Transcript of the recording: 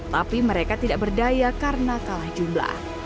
tidak berdaya karena kalah jumlah